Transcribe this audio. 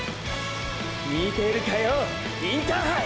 見てるかよ「インターハイ」！！